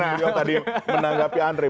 beliau tadi menanggapi andre